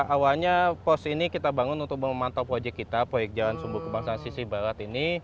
awalnya pos ini kita bangun untuk memantau proyek kita proyek jalan sumbu kebangsaan sisi barat ini